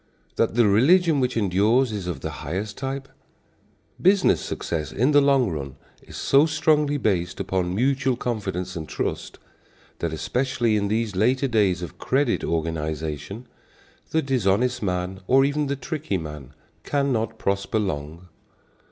That the religion which endures is of the highest type? Business success in the long run, is so strongly based upon mutual confidence and trust, that, especially in these later days of credit organization, the dishonest man or even the tricky man cannot prosper long.